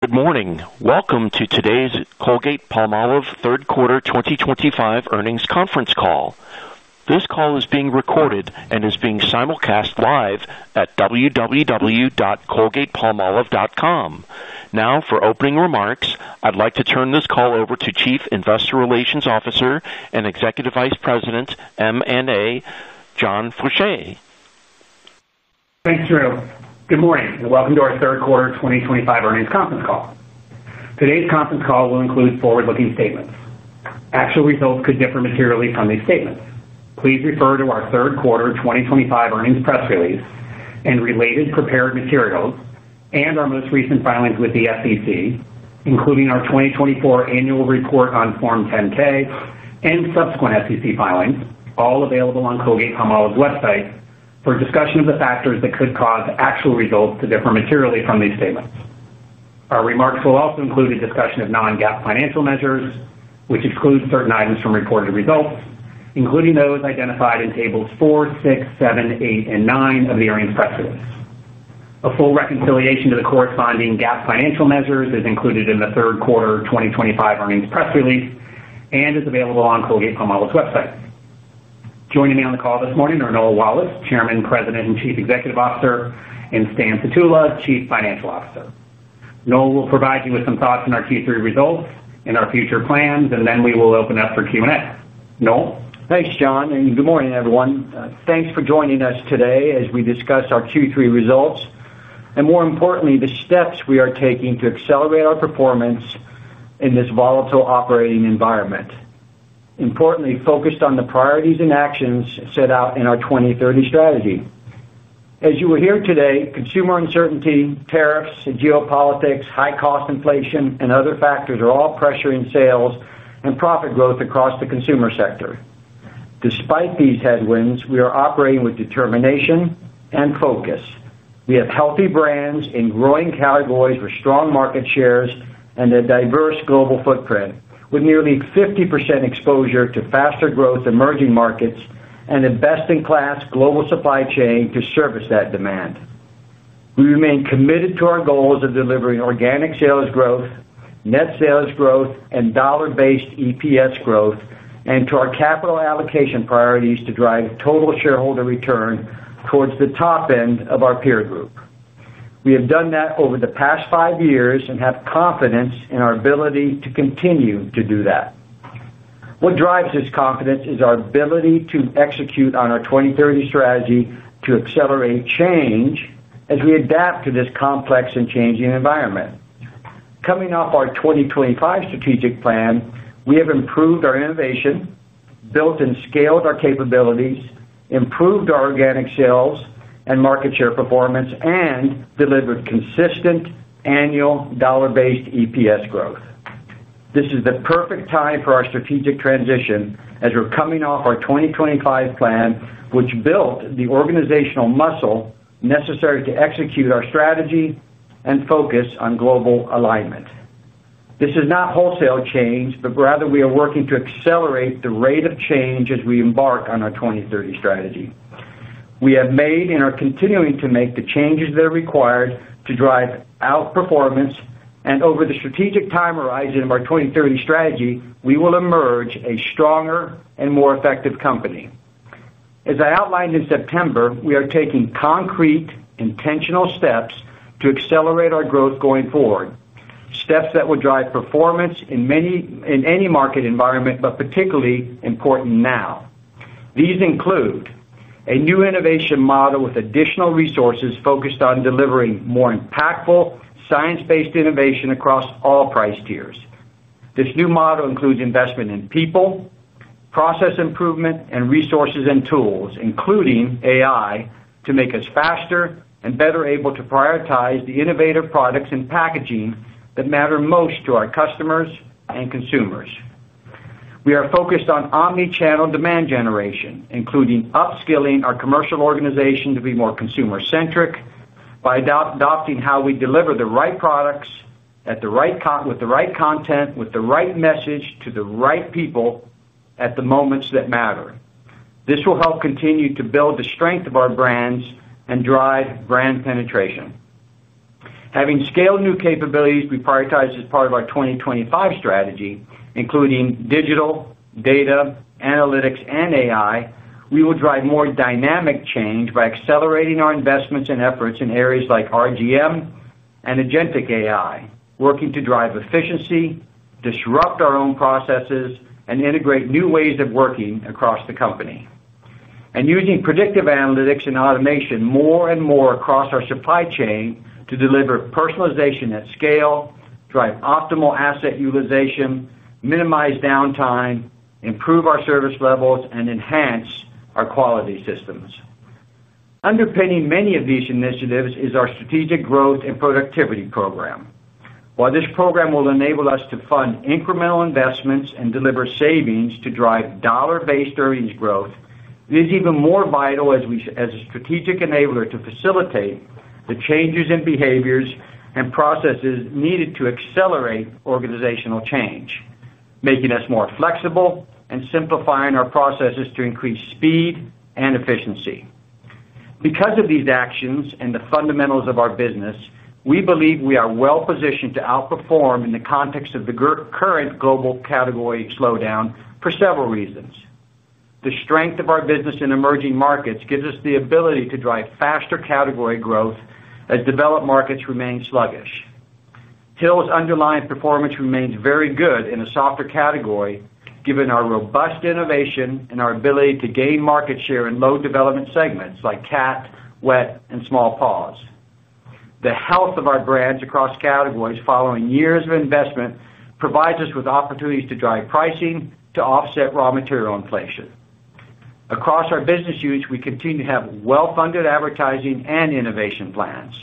Good morning. Welcome to today's Colgate-Palmolive third quarter 2025 earnings conference call. This call is being recorded and is being simulcast live at www.colgatepalmolive.com. Now, for opening remarks, I'd like to turn this call over to Chief Investor Relations Officer and Executive Vice President, M&A, John Faucher. Thanks, Drew. Good morning and welcome to our third quarter 2025 earnings conference call. Today's conference call will include forward-looking statements. Actual results could differ materially from these statements. Please refer to our third quarter 2025 earnings press release and related prepared materials, and our most recent filings with the SEC, including our 2024 annual report on Form 10-K and subsequent SEC filings, all available on Colgate-Palmolive's website for discussion of the factors that could cause actual results to differ materially from these statements. Our remarks will also include a discussion of non-GAAP financial measures, which excludes certain items from reported results, including those identified in tables four, six, seven, eight, and nine of the earnings press release. A full reconciliation to the corresponding GAAP financial measures is included in the third quarter 2025 earnings press release and is available on Colgate-Palmolive's website. Joining me on the call this morning are Noel Wallace, Chairman, President, and Chief Executive Officer, and Stan Sutula, Chief Financial Officer. Noel will provide you with some thoughts on our Q3 results and our future plans, and then we will open up for Q&A. Noel? Thanks, John, and good morning, everyone. Thanks for joining us today as we discuss our Q3 results and, more importantly, the steps we are taking to accelerate our performance in this volatile operating environment. Importantly, focused on the priorities and actions set out in our 2030 strategy. As you will hear today, consumer uncertainty, tariffs, geopolitics, high-cost inflation, and other factors are all pressuring sales and profit growth across the consumer sector. Despite these headwinds, we are operating with determination and focus. We have healthy brands and growing categories with strong market shares and a diverse global footprint, with nearly 50% exposure to faster-growth emerging markets and a best-in-class global supply chain to service that demand. We remain committed to our goals of delivering organic sales growth, net sales growth, and dollar-based EPS growth, and to our capital allocation priorities to drive total shareholder return towards the top end of our peer group. We have done that over the past five years and have confidence in our ability to continue to do that. What drives this confidence is our ability to execute on our 2030 strategy to accelerate change as we adapt to this complex and changing environment. Coming off our 2025 strategic plan, we have improved our innovation, built and scaled our capabilities, improved our organic sales and market share performance, and delivered consistent annual dollar-based EPS growth. This is the perfect time for our strategic transition as we're coming off our 2025 plan, which built the organizational muscle necessary to execute our strategy and focus on global alignment. This is not wholesale change, but rather we are working to accelerate the rate of change as we embark on our 2030 strategy. We have made and are continuing to make the changes that are required to drive outperformance, and over the strategic time horizon of our 2030 strategy, we will emerge a stronger and more effective company. As I outlined in September, we are taking concrete, intentional steps to accelerate our growth going forward, steps that will drive performance in any market environment, but particularly important now. These include a new innovation model with additional resources focused on delivering more impactful, science-based innovation across all price tiers. This new model includes investment in people. Process improvement, and resources and tools, including AI, to make us faster and better able to prioritize the innovative products and packaging that matter most to our customers and consumers. We are focused on omnichannel demand generation, including upskilling our commercial organization to be more consumer-centric by adopting how we deliver the right products with the right content, with the right message, to the right people at the moments that matter. This will help continue to build the strength of our brands and drive brand penetration. Having scaled new capabilities we prioritize as part of our 2025 strategy, including digital, data, analytics, and AI, we will drive more dynamic change by accelerating our investments and efforts in areas like RGM and agentic AI, working to drive efficiency, disrupt our own processes, and integrate new ways of working across the company. Using predictive analytics and automation more and more across our supply chain to deliver personalization at scale, drive optimal asset utilization, minimize downtime, improve our service levels, and enhance our quality systems. Underpinning many of these initiatives is our Strategic Growth and Productivity Program. While this program will enable us to fund incremental investments and deliver savings to drive dollar-based earnings growth, it is even more vital as a strategic enabler to facilitate the changes in behaviors and processes needed to accelerate organizational change, making us more flexible and simplifying our processes to increase speed and efficiency. Because of these actions and the fundamentals of our business, we believe we are well-positioned to outperform in the context of the current global category slowdown for several reasons. The strength of our business in emerging markets gives us the ability to drive faster category growth as developed markets remain sluggish. Hill's underlying performance remains very good in a softer category, given our robust innovation and our ability to gain market share in low-development segments like cat, wet, and small-pause. The health of our brands across categories following years of investment provides us with opportunities to drive pricing to offset raw material inflation. Across our business units, we continue to have well-funded advertising and innovation plans,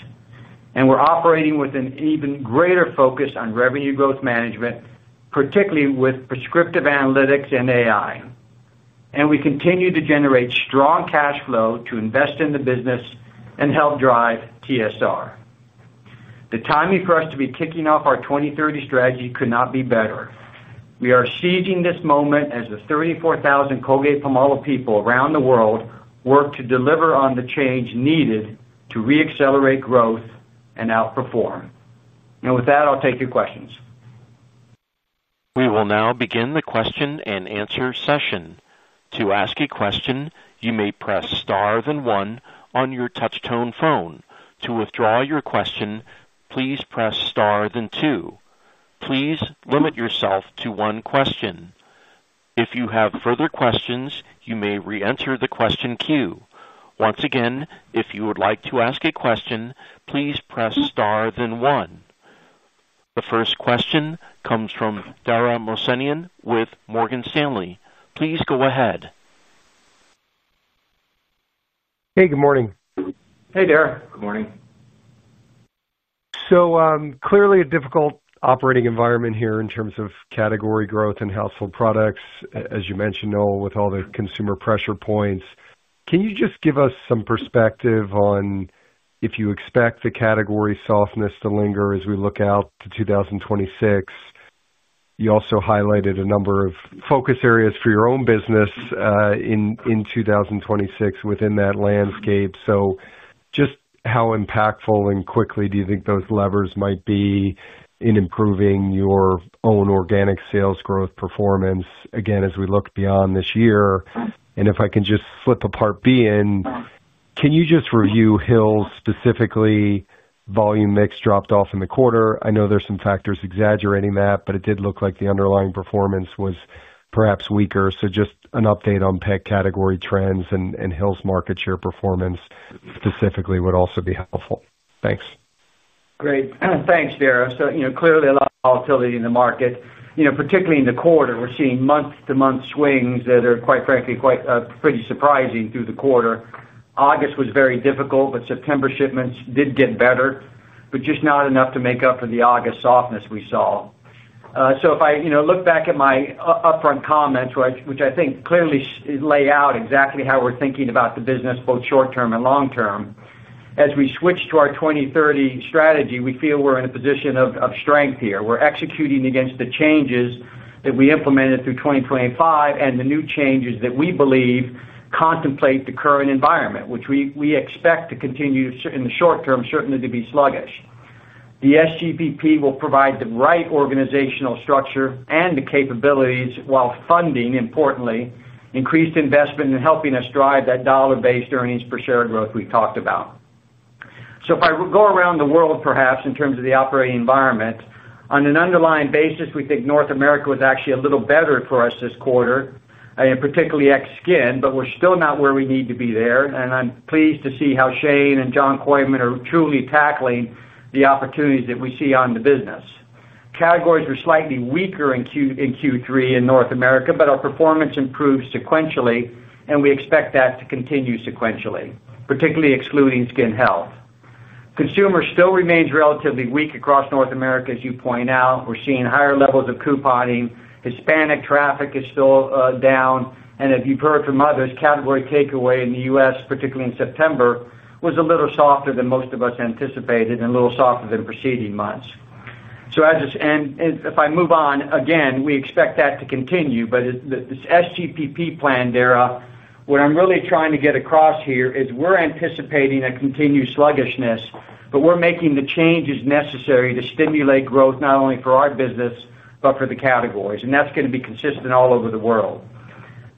and we're operating with an even greater focus on revenue growth management, particularly with prescriptive analytics and AI. We continue to generate strong cash flow to invest in the business and help drive TSR. The timing for us to be kicking off our 2030 strategy could not be better. We are seizing this moment as the 34,000 Colgate-Palmolive people around the world work to deliver on the change needed to re-accelerate growth and outperform. With that, I'll take your questions. We will now begin the question-and-answer session. To ask a question, you may press star then one on your touch-tone phone. To withdraw your question, please press star then two. Please limit yourself to one question. If you have further questions, you may re-enter the question queue. Once again, if you would like to ask a question, please press star then one. The first question comes from Dara Mohsenian with Morgan Stanley. Please go ahead. Hey, good morning. Hey, Dara. Good morning. Clearly a difficult operating environment here in terms of category growth and household products, as you mentioned, Noel, with all the consumer pressure points. Can you just give us some perspective on if you expect the category softness to linger as we look out to 2026? You also highlighted a number of focus areas for your own business in 2026 within that landscape. Just how impactful and quickly do you think those levers might be in improving your own organic sales growth performance, again, as we look beyond this year? If I can just flip to part B, can you just review Hill's specifically? Volume mix dropped off in the quarter. I know there's some factors exaggerating that, but it did look like the underlying performance was perhaps weaker. Just an update on pet category trends and Hill's market share performance specifically would also be helpful. Thanks. Great. Thanks, Dara. Clearly a lot of volatility in the market, particularly in the quarter. We're seeing month-to-month swings that are, quite frankly, pretty surprising through the quarter. August was very difficult, but September shipments did get better, just not enough to make up for the August softness we saw. If I look back at my upfront comments, which I think clearly lay out exactly how we're thinking about the business both short-term and long-term, as we switch to our 2030 strategy, we feel we're in a position of strength here. We're executing against the changes that we implemented through 2025 and the new changes that we believe contemplate the current environment, which we expect to continue in the short term, certainly to be sluggish. The SGPP will provide the right organizational structure and the capabilities while funding, importantly, increased investment and helping us drive that dollar-based earnings per share growth we talked about. If I go around the world, perhaps in terms of the operating environment, on an underlying basis, we think North America was actually a little better for us this quarter, and particularly excluding skin health, but we're still not where we need to be there. I'm pleased to see how Shane and John Kooyman are truly tackling the opportunities that we see on the business. Categories were slightly weaker in Q3 in North America, but our performance improved sequentially, and we expect that to continue sequentially, particularly excluding skin health. Consumer still remains relatively weak across North America, as you point out. We're seeing higher levels of couponing. Hispanic traffic is still down. As you've heard from others, category takeaway in the U.S., particularly in September, was a little softer than most of us anticipated and a little softer than preceding months. If I move on, again, we expect that to continue. This SGPP plan, Dara, what I'm really trying to get across here is we're anticipating a continued sluggishness, but we're making the changes necessary to stimulate growth not only for our business but for the categories. That's going to be consistent all over the world.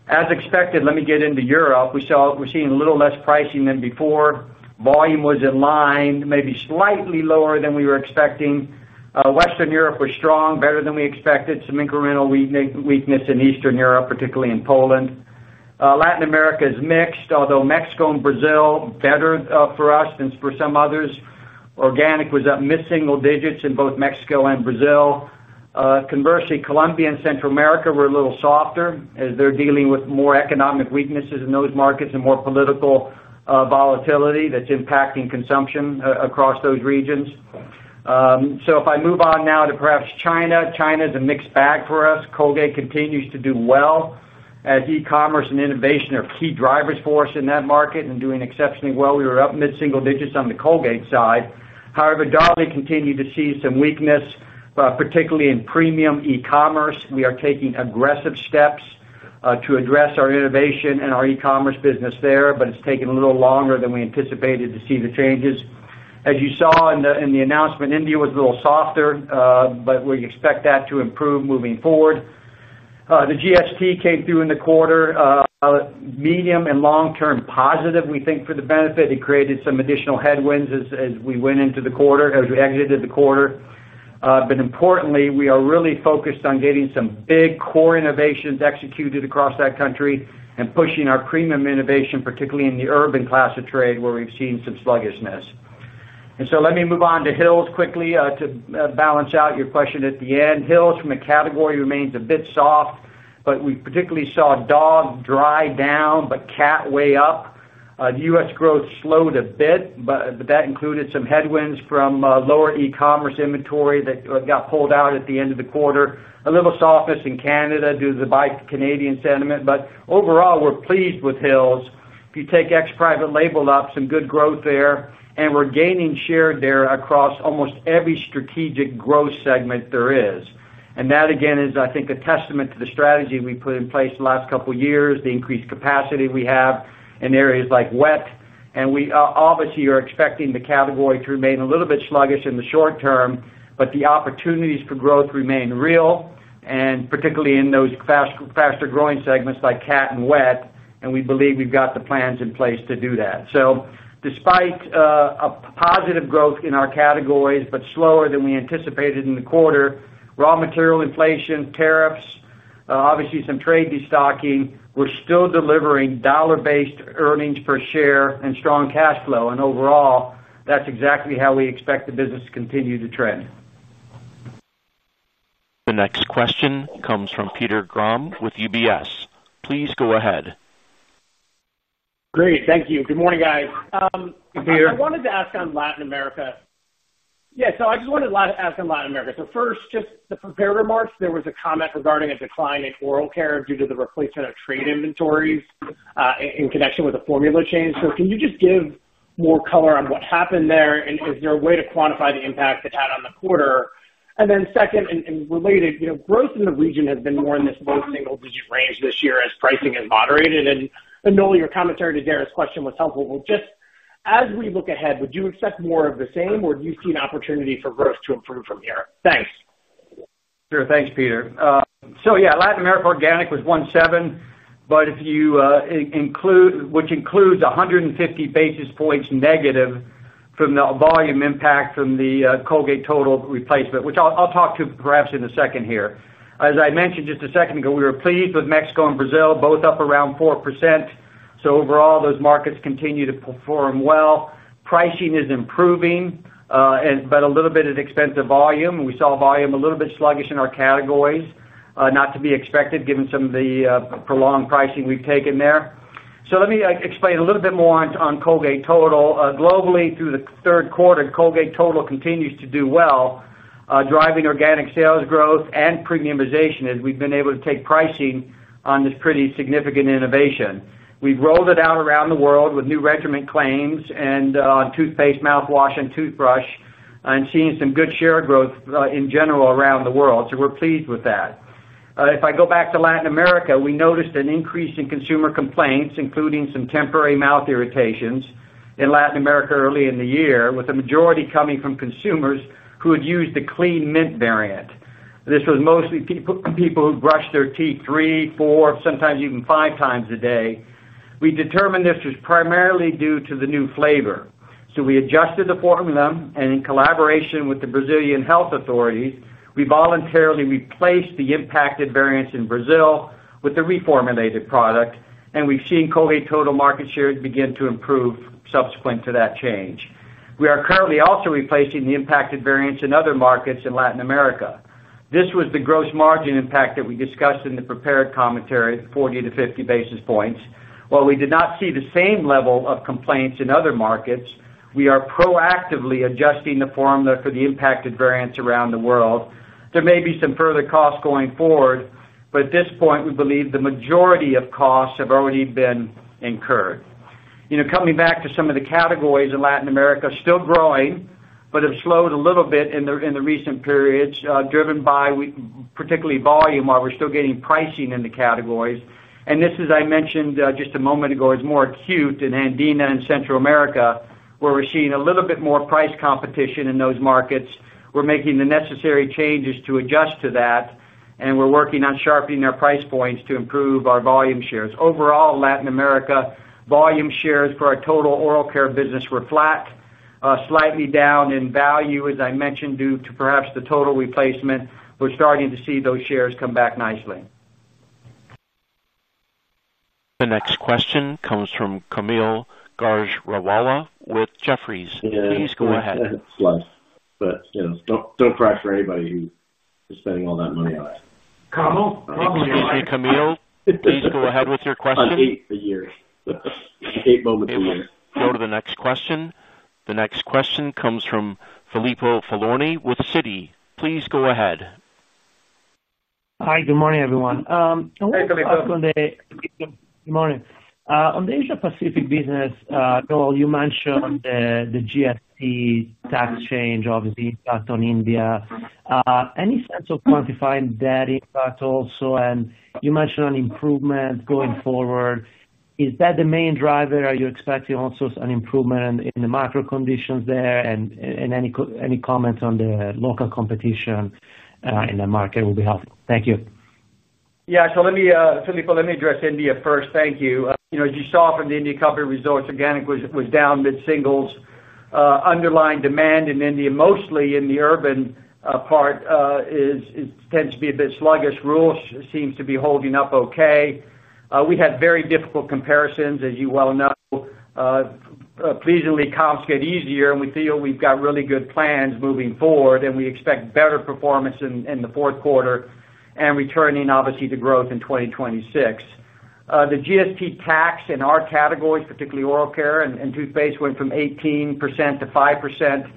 As expected, let me get into Europe. We're seeing a little less pricing than before. Volume was in line, maybe slightly lower than we were expecting. Western Europe was strong, better than we expected. Some incremental weakness in Eastern Europe, particularly in Poland. Latin America is mixed, although Mexico and Brazil are better for us than for some others. Organic was up mid-single digits in both Mexico and Brazil. Conversely, Colombia and Central America were a little softer as they're dealing with more economic weaknesses in those markets and more political volatility that's impacting consumption across those regions. If I move on now to perhaps China, China is a mixed bag for us. Colgate continues to do well as e-commerce and innovation are key drivers for us in that market and doing exceptionally well. We were up mid-single digits on the Colgate side. However, [Dali] continued to see some weakness, particularly in premium e-commerce. We are taking aggressive steps to address our innovation and our e-commerce business there, but it's taken a little longer than we anticipated to see the changes. As you saw in the announcement, India was a little softer, but we expect that to improve moving forward. The GST came through in the quarter. Medium and long-term positive, we think, for the benefit. It created some additional headwinds as we went into the quarter, as we exited the quarter. Importantly, we are really focused on getting some big core innovations executed across that country and pushing our premium innovation, particularly in the urban class of trade where we've seen some sluggishness. Let me move on to Hill's quickly to balance out your question at the end. Hill's, from a category, remains a bit soft, but we particularly saw dog dry down, but cat way up. U.S. growth slowed a bit, but that included some headwinds from lower e-commerce inventory that got pulled out at the end of the quarter. A little softness in Canada due to the Canadian sentiment, but overall, we're pleased with Hill's. If you take ex-private label up, some good growth there, and we're gaining share there across almost every strategic growth segment there is. That, again, is, I think, a testament to the strategy we put in place the last couple of years, the increased capacity we have in areas like wet. We obviously are expecting the category to remain a little bit sluggish in the short term, but the opportunities for growth remain real, particularly in those faster-growing segments like cat and wet, and we believe we've got the plans in place to do that. Despite. A positive growth in our categories, but slower than we anticipated in the quarter, raw material inflation, tariffs, obviously some trade destocking, we're still delivering dollar-based earnings per share and strong cash flow. Overall, that's exactly how we expect the business to continue to trend. The next question comes from Peter Grom with UBS. Please go ahead. Great. Thank you. Good morning, guys. Good morning. I wanted to ask on Latin America. I just wanted to ask on Latin America. First, just the prepared remarks, there was a comment regarding a decline in oral care due to the replacement of trade inventories in connection with a formula change. Can you just give more color on what happened there, and is there a way to quantify the impact it had on the quarter? Second, and related, growth in the region has been more in this low single-digit range this year as pricing is moderated. Noel, your commentary to Dara's question was helpful. Just as we look ahead, would you expect more of the same, or do you see an opportunity for growth to improve from here? Thanks. Sure. Thanks, Peter. Latin America organic was 17%, which includes 150 basis points negative from the volume impact from the Colgate Total replacement, which I'll talk to perhaps in a second here. As I mentioned just a second ago, we were pleased with Mexico and Brazil, both up around 4%. Overall, those markets continue to perform well. Pricing is improving, but a little bit at expense of volume. We saw volume a little bit sluggish in our categories, not to be expected given some of the prolonged pricing we've taken there. Let me explain a little bit more on Colgate Total. Globally, through the third quarter, Colgate Total continues to do well, driving organic sales growth and premiumization as we've been able to take pricing on this pretty significant innovation. We've rolled it out around the world with new regiment claims and on toothpaste, mouthwash, and toothbrush, and seeing some good share growth in general around the world. We're pleased with that. If I go back to Latin America, we noticed an increase in consumer complaints, including some temporary mouth irritations in Latin America early in the year, with the majority coming from consumers who had used the clean mint variant. This was mostly people who brushed their teeth three, four, sometimes even five times a day. We determined this was primarily due to the new flavor. We adjusted the formula, and in collaboration with the Brazilian health authorities, we voluntarily replaced the impacted variants in Brazil with the reformulated product, and we've seen Colgate Total market shares begin to improve subsequent to that change. We are currently also replacing the impacted variants in other markets in Latin America. This was the gross margin impact that we discussed in the prepared commentary, 40 to 50 basis points. While we did not see the same level of complaints in other markets, we are proactively adjusting the formula for the impacted variants around the world. There may be some further costs going forward, but at this point, we believe the majority of costs have already been incurred. Coming back to some of the categories in Latin America, still growing, but have slowed a little bit in the recent periods, driven by particularly volume while we're still getting pricing in the categories. This, as I mentioned just a moment ago, is more acute in Andina and Central America, where we're seeing a little bit more price competition in those markets. We're making the necessary changes to adjust to that, and we're working on sharpening our price points to improve our volume shares. Overall, Latin America volume shares for our total oral care business were flat, slightly down in value, as I mentioned, due to perhaps the total replacement. We're starting to see those shares come back nicely. The next question comes from Kaumil Gajrawala with Jefferies. Please go ahead. Yeah, don't pressure anybody who is spending all that money on it. Kaumil. Thank you, Kaumil. Please go ahead with your question. I hate the year. I hate moments of the year. Go to the next question. The next question comes from Filippo Falorni with Citi. Please go ahead. Hi, good morning, everyone. Hi, Filippo. Good morning. On the Asia-Pacific business, Noel, you mentioned the GST tax change, obviously impact on India. Any sense of quantifying that impact also? You mentioned an improvement going forward. Is that the main driver? Are you expecting also an improvement in the macro conditions there? Any comments on the local competition in the market will be helpful. Thank you. Yeah. Filippo, let me address India first. Thank you. As you saw from the India company results, organic was down mid-singles. Underlying demand in India, mostly in the urban part, tends to be a bit sluggish. Rural seems to be holding up okay. We had very difficult comparisons, as you well know. Pleasingly, comps get easier, and we feel we've got really good plans moving forward. We expect better performance in the fourth quarter and returning, obviously, to growth in 2026. The GST tax in our categories, particularly oral care and toothpaste, went from 18%-5%.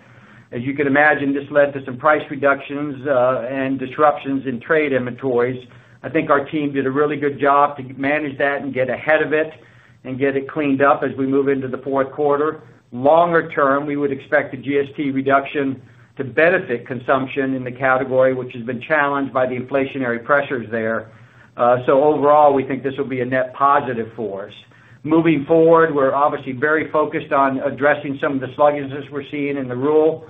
As you can imagine, this led to some price reductions and disruptions in trade inventories. I think our team did a really good job to manage that and get ahead of it and get it cleaned up as we move into the fourth quarter. Longer term, we would expect the GST reduction to benefit consumption in the category, which has been challenged by the inflationary pressures there. Overall, we think this will be a net positive for us. Moving forward, we're obviously very focused on addressing some of the sluggishness we're seeing in the rural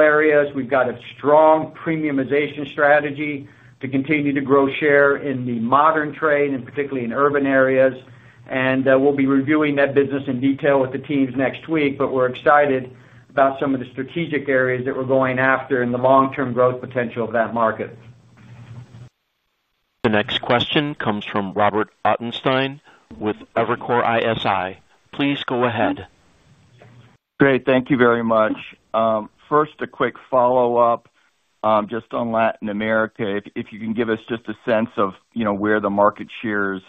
areas. We've got a strong premiumization strategy to continue to grow share in the modern trade and particularly in urban areas. We'll be reviewing that business in detail with the teams next week, but we're excited about some of the strategic areas that we're going after and the long-term growth potential of that market. The next question comes from Robert Ottenstein with Evercore ISI. Please go ahead. Great. Thank you very much. First, a quick follow-up. Just on Latin America, if you can give us just a sense of where the market shares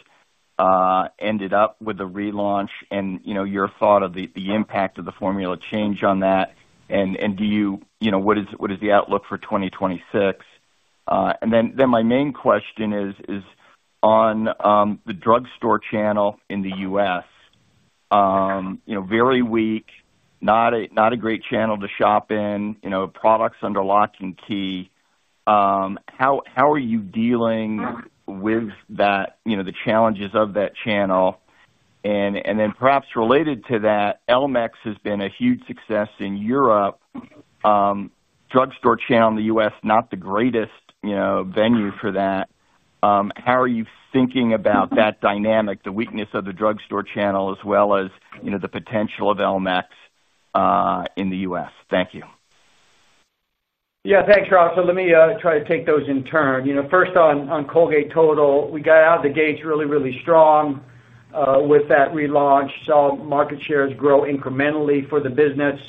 ended up with the relaunch and your thought of the impact of the formula change on that, and what is the outlook for 2026? My main question is on the drugstore channel in the U.S. Very weak, not a great channel to shop in, products under lock and key. How are you dealing with the challenges of that channel? Perhaps related to that, Elmex has been a huge success in Europe. Drugstore channel in the U.S., not the greatest venue for that. How are you thinking about that dynamic, the weakness of the drugstore channel, as well as the potential of Elmex in the U.S.? Thank you. Yeah. Thanks, Rob. Let me try to take those in turn. First, on Colgate Total, we got out of the gates really, really strong. With that relaunch, saw market shares grow incrementally for the business.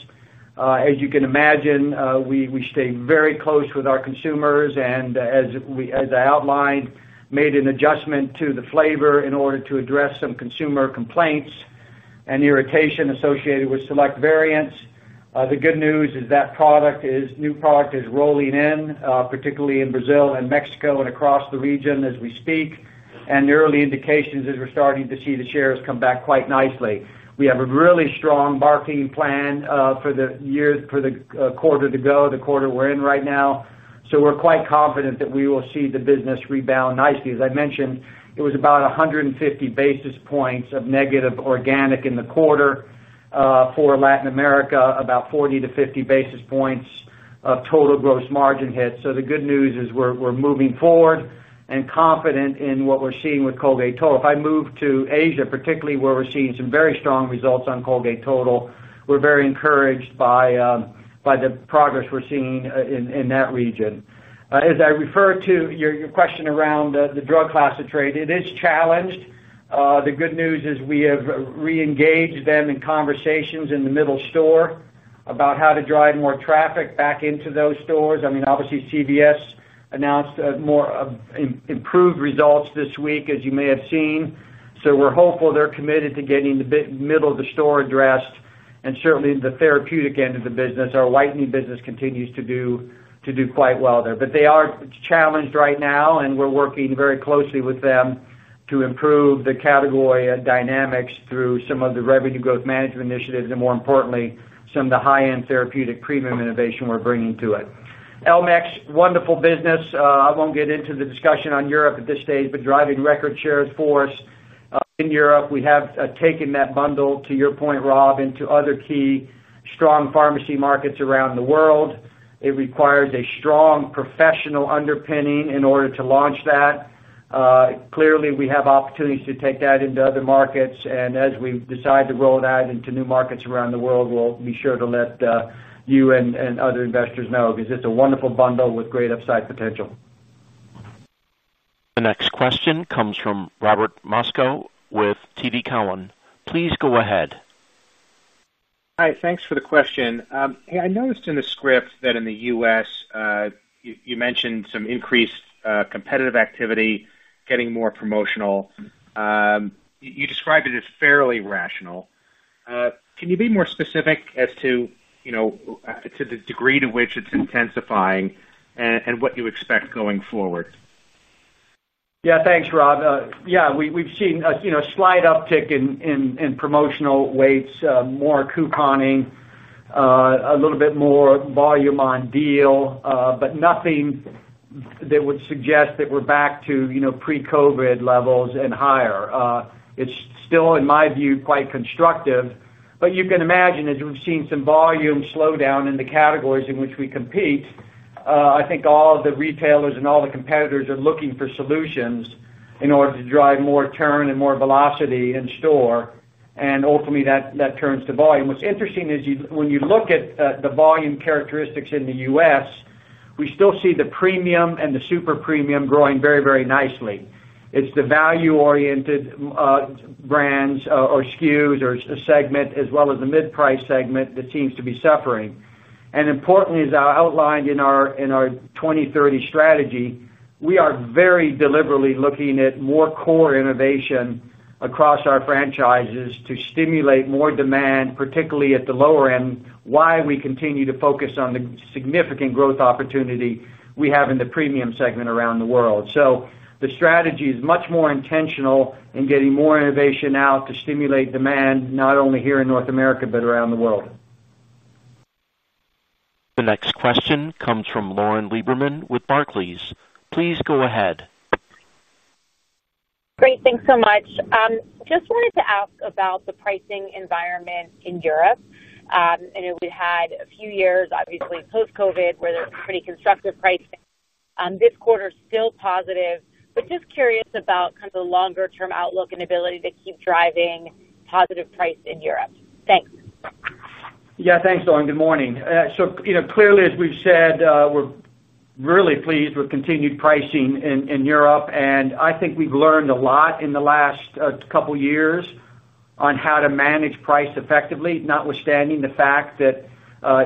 As you can imagine, we stayed very close with our consumers, and as I outlined, made an adjustment to the flavor in order to address some consumer complaints and irritation associated with select variants. The good news is that new product is rolling in, particularly in Brazil and Mexico and across the region as we speak. The early indications are we're starting to see the shares come back quite nicely. We have a really strong marketing plan for the quarter to go, the quarter we're in right now. We're quite confident that we will see the business rebound nicely. As I mentioned, it was about 150 basis points of negative organic in the quarter for Latin America, about 40 to 50 basis points of total gross margin hit. The good news is we're moving forward and confident in what we're seeing with Colgate Total. If I move to Asia, particularly where we're seeing some very strong results on Colgate Total, we're very encouraged by the progress we're seeing in that region. As I refer to your question around the drug class of trade, it is challenged. The good news is we have re-engaged them in conversations in the middle store about how to drive more traffic back into those stores. Obviously, CVS announced more improved results this week, as you may have seen. We're hopeful they're committed to getting the middle of the store addressed and certainly the therapeutic end of the business. Our whitening business continues to do quite well there. They are challenged right now, and we're working very closely with them to improve the category dynamics through some of the revenue growth management initiatives and, more importantly, some of the high-end therapeutic premium innovation we're bringing to it. Elmex, wonderful business. I won't get into the discussion on Europe at this stage, but driving record shares for us in Europe. We have taken that bundle, to your point, Rob, into other key strong pharmacy markets around the world. It requires a strong professional underpinning in order to launch that. Clearly, we have opportunities to take that into other markets. As we decide to roll that into new markets around the world, we'll be sure to let you and other investors know because it's a wonderful bundle with great upside potential. The next question comes from Robert Moskow with TD Cowen. Please go ahead. Hi. Thanks for the question. I noticed in the script that in the U.S., you mentioned some increased competitive activity, getting more promotional. You described it as fairly rational. Can you be more specific as to the degree to which it's intensifying and what you expect going forward? Yeah. Thanks, Rob. We've seen a slight uptick in promotional weights, more couponing, a little bit more volume on deal, but nothing that would suggest that we're back to pre-COVID levels and higher. It's still, in my view, quite constructive. You can imagine, as we've seen some volume slowdown in the categories in which we compete, I think all of the retailers and all the competitors are looking for solutions in order to drive more turn and more velocity in store. Ultimately, that turns to volume. What's interesting is when you look at the volume characteristics in the U.S., we still see the premium and the super premium growing very, very nicely. It's the value-oriented brands or SKUs or segment, as well as the mid-price segment, that seems to be suffering. Importantly, as I outlined in our 2030 strategy, we are very deliberately looking at more core innovation across our franchises to stimulate more demand, particularly at the lower end, while we continue to focus on the significant growth opportunity we have in the premium segment around the world. The strategy is much more intentional in getting more innovation out to stimulate demand, not only here in North America, but around the world. The next question comes from Lauren Lieberman with Barclays. Please go ahead. Great. Thanks so much. Just wanted to ask about the pricing environment in Europe. I know we've had a few years, obviously, post-COVID, where there's pretty constructive pricing. This quarter is still positive, but just curious about kind of the longer-term outlook and ability to keep driving positive price in Europe. Thanks. Yeah. Thanks, Lauren. Good morning. Clearly, as we've said, we're really pleased with continued pricing in Europe. I think we've learned a lot in the last couple of years on how to manage price effectively, notwithstanding the fact that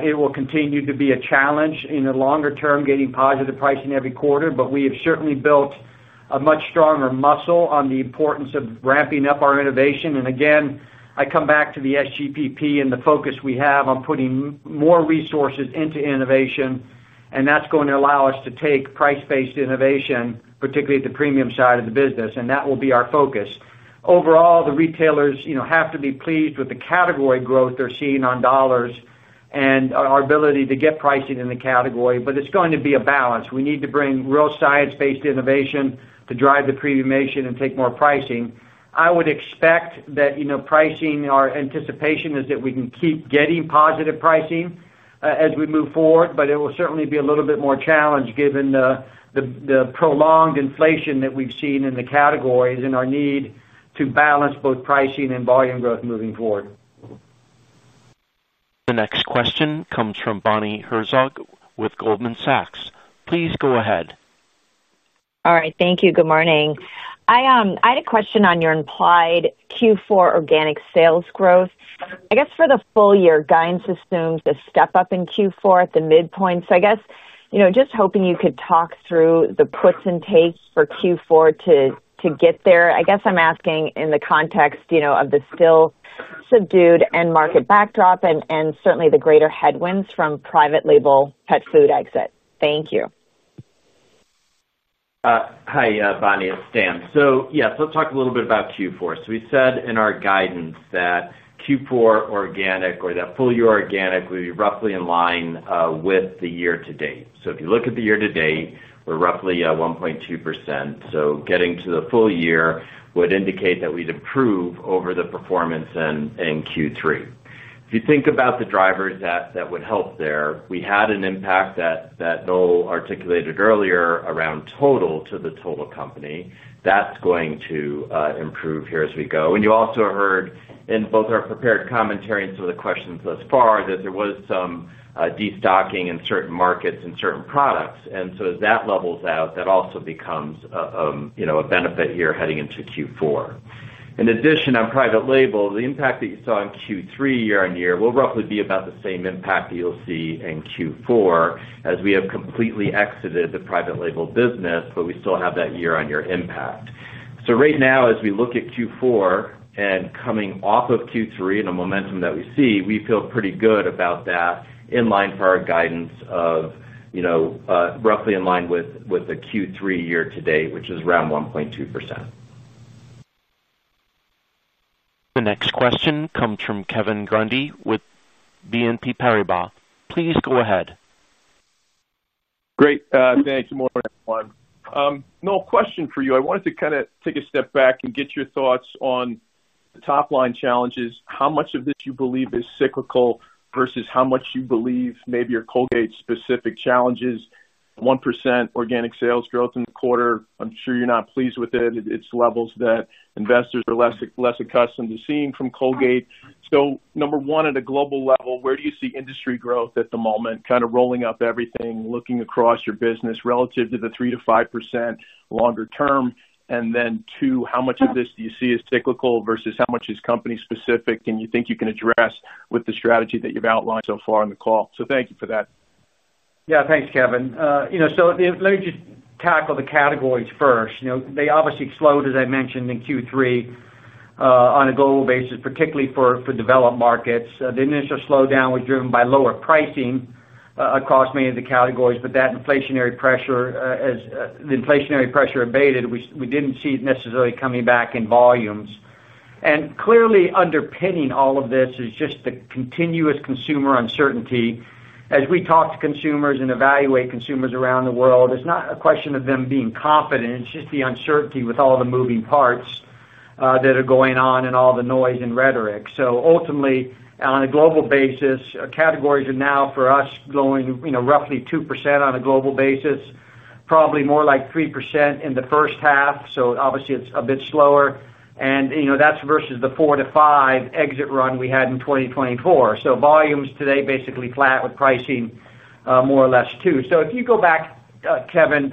it will continue to be a challenge in the longer term getting positive pricing every quarter. We have certainly built a much stronger muscle on the importance of ramping up our innovation. I come back to the SGPP and the focus we have on putting more resources into innovation. That's going to allow us to take price-based innovation, particularly at the premium side of the business, and that will be our focus. Overall, the retailers have to be pleased with the category growth they're seeing on dollars and our ability to get pricing in the category. It's going to be a balance. We need to bring real science-based innovation to drive the premiumation and take more pricing. I would expect that pricing, our anticipation is that we can keep getting positive pricing as we move forward, but it will certainly be a little bit more challenged given the prolonged inflation that we've seen in the categories and our need to balance both pricing and volume growth moving forward. The next question comes from Bonnie Herzog with Goldman Sachs. Please go ahead. All right. Thank you. Good morning. I had a question on your implied Q4 organic sales growth. I guess for the full year, guidance assumes a step up in Q4 at the midpoint. I guess just hoping you could talk through the puts and takes for Q4 to get there. I guess I'm asking in the context of the still subdued end market backdrop and certainly the greater headwinds from private label pet food exit. Thank you. Hi, Bonnie. It's Stan. Yes, let's talk a little bit about Q4. We said in our guidance that Q4 organic or that full year organic would be roughly in line with the year to date. If you look at the year to date, we're roughly at 1.2%. Getting to the full year would indicate that we'd improve over the performance in Q3. If you think about the drivers that would help there, we had an impact that Noel articulated earlier around Total to the total company. That's going to improve here as we go. You also heard in both our prepared commentary and some of the questions thus far that there was some destocking in certain markets and certain products. As that levels out, that also becomes a benefit here heading into Q4. In addition, on private label, the impact that you saw in Q3 year-on-year will roughly be about the same impact that you'll see in Q4 as we have completely exited the private label business, but we still have that year-on-year impact. Right now, as we look at Q4 and coming off of Q3 in a momentum that we see, we feel pretty good about that in line for our guidance of roughly in line with the Q3 year to date, which is around 1.2%. The next question comes from Kevin Grundy with BNP Paribas. Please go ahead. Great. Thanks. Good morning, everyone. Noel, question for you. I wanted to kind of take a step back and get your thoughts on the top-line challenges, how much of this you believe is cyclical versus how much you believe maybe are Colgate-specific challenges. 1% organic sales growth in the quarter. I'm sure you're not pleased with it. It's levels that investors are less accustomed to seeing from Colgate. Number one, at a global level, where do you see industry growth at the moment, kind of rolling up everything, looking across your business relative to the 3%-5% longer term? Then, how much of this do you see as cyclical versus how much is company-specific, and you think you can address with the strategy that you've outlined so far in the call. Thank you for that. Yeah. Thanks, Kevin. Let me just tackle the categories first. They obviously slowed, as I mentioned, in Q3. On a global basis, particularly for developed markets, the initial slowdown was driven by lower pricing across many of the categories, but that inflationary pressure abated. We didn't see it necessarily coming back in volumes. Clearly, underpinning all of this is just the continuous consumer uncertainty. As we talk to consumers and evaluate consumers around the world, it's not a question of them being confident. It's just the uncertainty with all the moving parts that are going on and all the noise and rhetoric. Ultimately, on a global basis, categories are now, for us, growing roughly 2% on a global basis, probably more like 3% in the first half. Obviously, it's a bit slower. That's versus the 4%-5% exit run we had in 2024. Volumes today basically flat with pricing more or less too. If you go back, Kevin,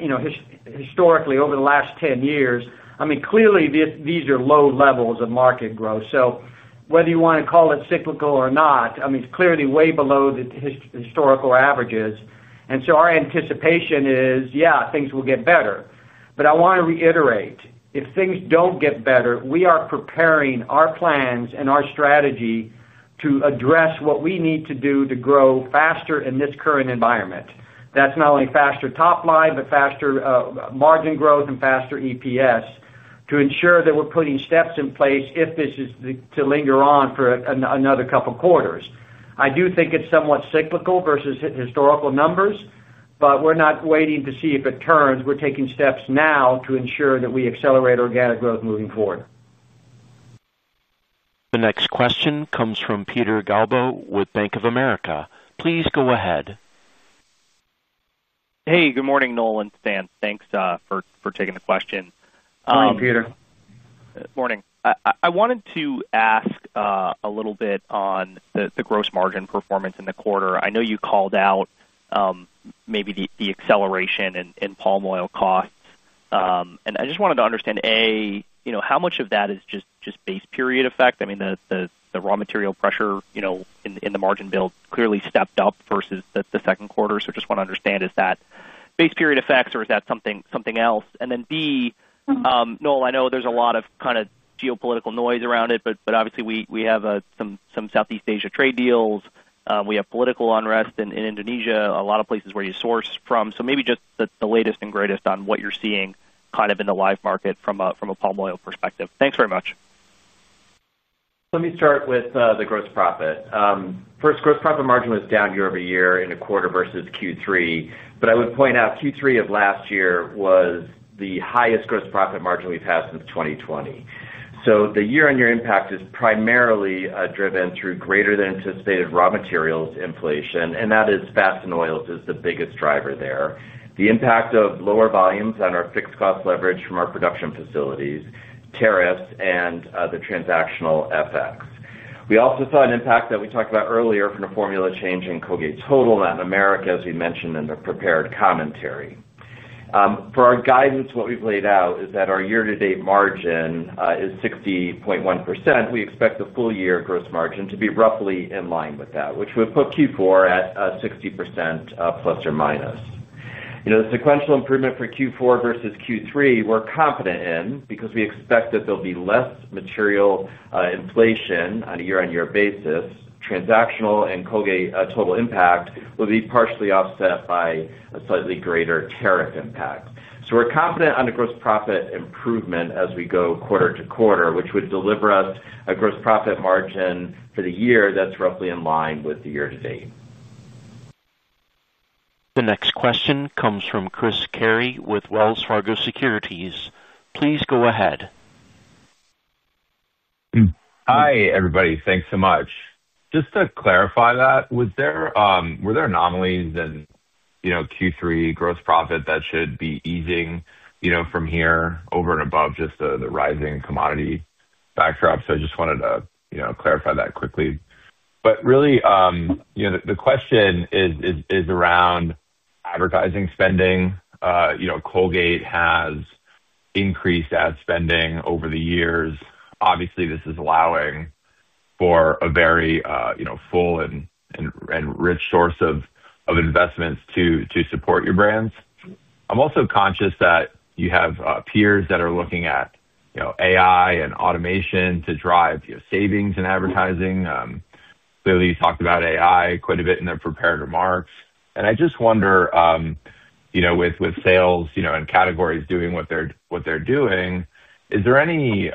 historically, over the last 10 years, clearly, these are low levels of market growth. Whether you want to call it cyclical or not, it's clearly way below the historical averages. Our anticipation is, yeah, things will get better. I want to reiterate, if things don't get better, we are preparing our plans and our strategy to address what we need to do to grow faster in this current environment. That's not only faster top line, but faster margin growth and faster EPS to ensure that we're putting steps in place if this is to linger on for another couple of quarters. I do think it's somewhat cyclical versus historical numbers, but we're not waiting to see if it turns. We're taking steps now to ensure that we accelerate organic growth moving forward. The next question comes from Peter Galbo with Bank of America. Please go ahead. Hey, good morning, Noel and Stan. Thanks for taking the question. Morning, Peter. Morning. I wanted to ask a little bit on the gross margin performance in the quarter. I know you called out maybe the acceleration in palm oil costs, and I just wanted to understand, A, how much of that is just base period effect? I mean, the raw material pressure in the margin build clearly stepped up versus the second quarter. I just want to understand, is that base period effects or is that something else? Then B, Noel, I know there's a lot of kind of geopolitical noise around it, but obviously, we have some Southeast Asia trade deals. We have political unrest in Indonesia, a lot of places where you source from. Maybe just the latest and greatest on what you're seeing kind of in the live market from a palm oil perspective. Thanks very much. Let me start with the gross profit. First, gross profit margin was down year over year in a quarter versus Q3. I would point out Q3 of last year was the highest gross profit margin we've had since 2020. The year-on-year impact is primarily driven through greater-than-anticipated raw materials inflation. Fast and oils is the biggest driver there. The impact of lower volumes on our fixed cost leverage from our production facilities, tariffs, and the transactional FX. We also saw an impact that we talked about earlier from the formula change in Colgate Total and Latin America, as we mentioned in the prepared commentary. For our guidance, what we've laid out is that our year-to-date margin is 60.1%. We expect the full year gross margin to be roughly in line with that, which would put Q4 at 60%±. The sequential improvement for Q4 versus Q3, we're confident in because we expect that there'll be less material inflation on a year-on-year basis. Transactional and Colgate Total impact will be partially offset by a slightly greater tariff impact. We're confident on the gross profit improvement as we go quarter to quarter, which would deliver us a gross profit margin for the year that's roughly in line with the year to date. The next question comes from Chris Carey with Wells Fargo Securities. Please go ahead. Hi, everybody. Thanks so much. Just to clarify that, were there anomalies in Q3 gross profit that should be easing from here over and above just the rising commodity backdrop? I just wanted to clarify that quickly. The question is around advertising spending. Colgate has increased ad spending over the years. Obviously, this is allowing for a very full and rich source of investments to support your brands. I'm also conscious that you have peers that are looking at AI and automation to drive savings in advertising. Clearly, you talked about AI quite a bit in the prepared remarks. I just wonder, with sales and categories doing what they're doing, is there any,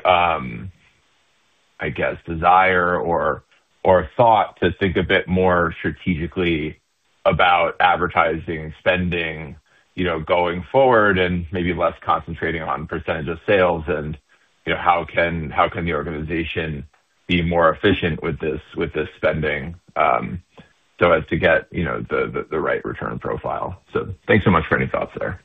I guess, desire or thought to think a bit more strategically about advertising spending going forward and maybe less concentrating on percentage of sales? How can the organization be more efficient with this spending so as to get the right return profile? Thanks so much for any thoughts there.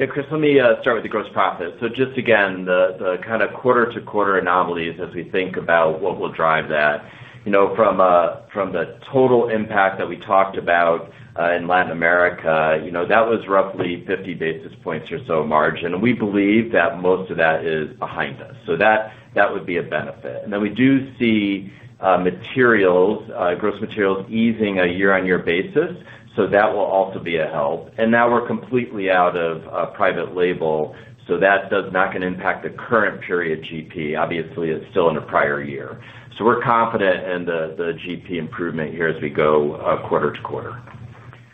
Yeah. Chris, let me start with the gross profit. Just again, the kind of quarter-to-quarter anomalies as we think about what will drive that. From the total impact that we talked about in Latin America, that was roughly 50 basis points or so margin, and we believe that most of that is behind us. That would be a benefit. We do see materials, gross materials easing on a year-on-year basis. That will also be a help. Now we're completely out of private label, so that is not going to impact the current period GP. Obviously, it's still in a prior year. We're confident in the GP improvement here as we go quarter to quarter.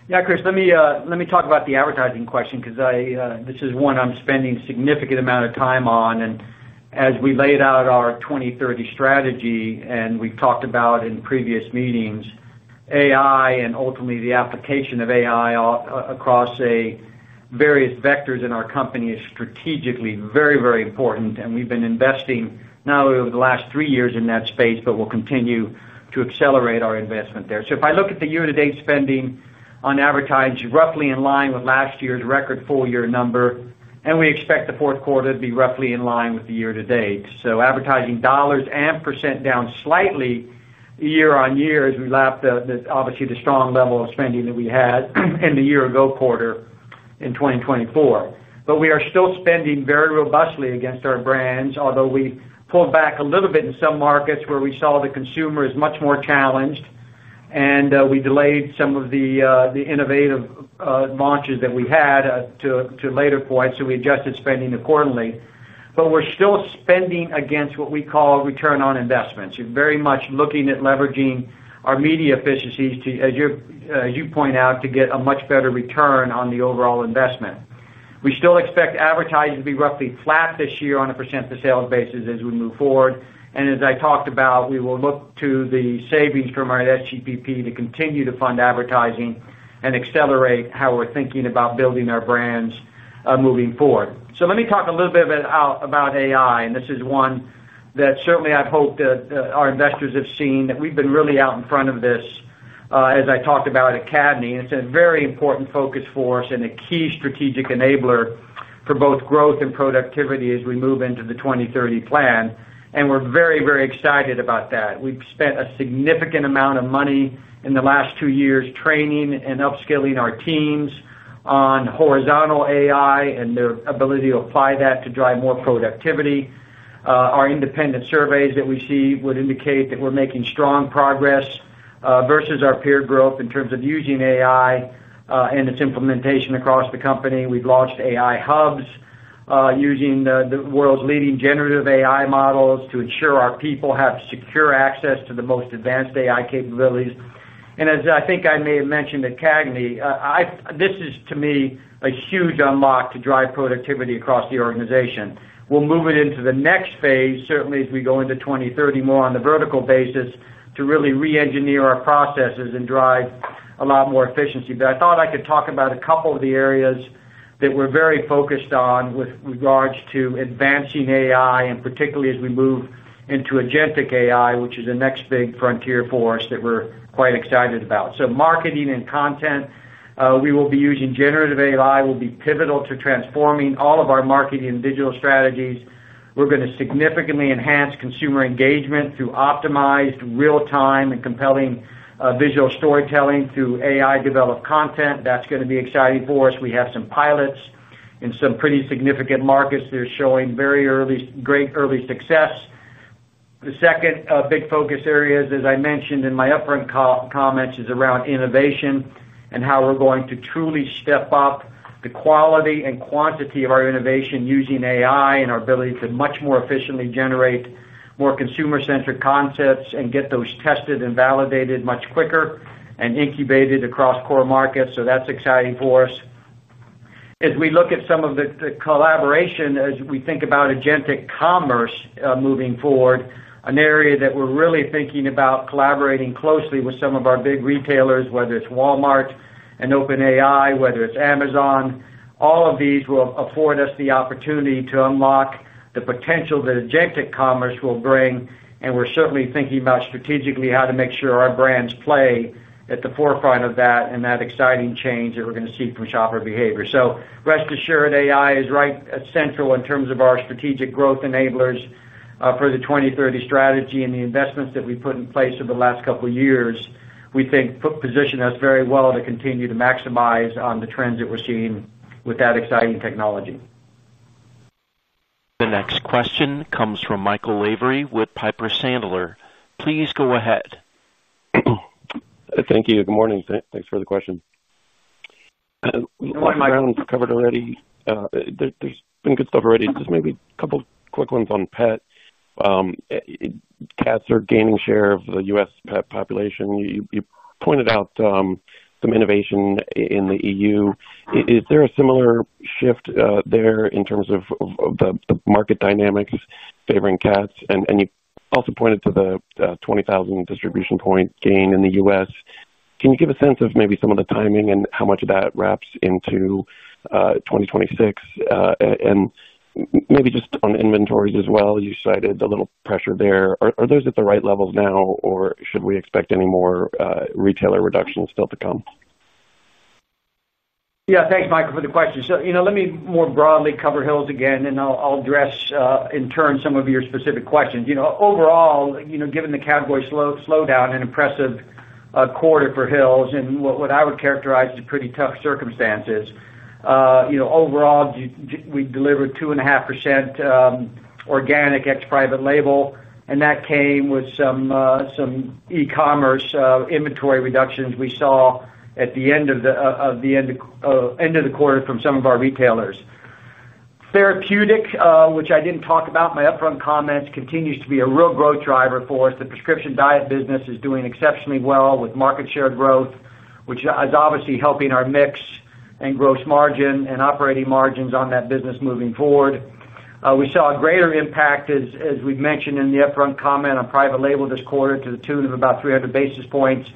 Yeah, Chris, let me talk about the advertising question because this is one I'm spending a significant amount of time on. As we laid out our 2030 strategy, and we've talked about in previous meetings, AI and ultimately the application of AI across various vectors in our company is strategically very, very important. We've been investing not only over the last three years in that space, but we'll continue to accelerate our investment there. If I look at the year-to-date spending on advertising, roughly in line with last year's record full year number, we expect the fourth quarter to be roughly in line with the year to date. Advertising dollars and percent down slightly year-on-year as we lapped obviously the strong level of spending that we had in the year-ago quarter in 2024. We are still spending very robustly against our brands, although we pulled back a little bit in some markets where we saw the consumer is much more challenged. We delayed some of the innovative launches that we had to later points. We adjusted spending accordingly. We're still spending against what we call return on investments. You're very much looking at leveraging our media efficiencies, as you point out, to get a much better return on the overall investment. We still expect advertising to be roughly flat this year on a percent to sale basis as we move forward. As I talked about, we will look to the savings from our SGPP to continue to fund advertising and accelerate how we're thinking about building our brands moving forward. Let me talk a little bit about AI. This is one that certainly I've hoped that our investors have seen that we've been really out in front of this, as I talked about at CAGNY. It's a very important focus for us and a key strategic enabler for both growth and productivity as we move into the 2030 plan. We're very, very excited about that. We've spent a significant amount of money in the last two years training and upskilling our teams on horizontal AI and their ability to apply that to drive more productivity. Our independent surveys that we see would indicate that we're making strong progress versus our peer growth in terms of using AI and its implementation across the company. We've launched AI hubs using the world's leading generative AI models to ensure our people have secure access to the most advanced AI capabilities. As I think I may have mentioned at CAGNY, this is, to me, a huge unlock to drive productivity across the organization. We'll move it into the next phase, certainly as we go into 2030, more on the vertical basis to really re-engineer our processes and drive a lot more efficiency. I thought I could talk about a couple of the areas that we're very focused on with regards to advancing AI, and particularly as we move into agentic AI, which is a next big frontier for us that we're quite excited about. Marketing and content, we will be using generative AI; it will be pivotal to transforming all of our marketing and digital strategies. We're going to significantly enhance consumer engagement through optimized, real-time, and compelling visual storytelling through AI-developed content. That's going to be exciting for us. We have some pilots in some pretty significant markets that are showing very early, great early success. The second big focus area, as I mentioned in my upfront comments, is around innovation and how we're going to truly step up the quality and quantity of our innovation using AI and our ability to much more efficiently generate more consumer-centric concepts and get those tested and validated much quicker and incubated across core markets. That's exciting for us. As we look at some of the collaboration, as we think about agentic commerce moving forward, an area that we're really thinking about collaborating closely with some of our big retailers, whether it's Walmart and OpenAI, whether it's Amazon, all of these will afford us the opportunity to unlock the potential that agentic commerce will bring. We're certainly thinking about strategically how to make sure our brands play at the forefront of that and that exciting change that we're going to see from shopper behavior. Rest assured, AI is right at central in terms of our strategic growth enablers for the 2030 strategy and the investments that we put in place over the last couple of years. We think position us very well to continue to maximize on the trends that we're seeing with that exciting technology. The next question comes from Michael Lavery with Piper Sandler. Please go ahead. Thank you. Good morning. Thanks for the question. Good morning, Michael. Ground covered already. There's been good stuff already. Just maybe a couple of quick ones on pet. Cats are gaining share of the U.S. population, you pointed out. Some innovation in the EU. Is there a similar shift there in terms of the market dynamics favoring cats? You also pointed to the 20,000 distribution point gain in the U.S. Can you give a sense of maybe some of the timing and how much of that wraps into 2026? Maybe just on inventories as well, you cited a little pressure there. Are those at the right levels now, or should we expect any more retailer reductions still to come? Yeah, thanks, Michael, for the question. Let me more broadly cover Hill's again, and I'll address in turn some of your specific questions. Overall, given the category slowdown and impressive quarter for Hill's and what I would characterize as pretty tough circumstances, we delivered 2.5% organic ex-private label. That came with some e-commerce inventory reductions we saw at the end of the quarter from some of our retailers. Therapeutic, which I didn't talk about in my upfront comments, continues to be a real growth driver for us. The prescription diet business is doing exceptionally well with market share growth, which is obviously helping our mix and gross margin and operating margins on that business moving forward. We saw a greater impact, as we've mentioned in the upfront comment, on private label this quarter, to the tune of about 300 basis points.